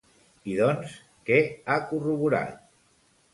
I doncs, què ha corroborat?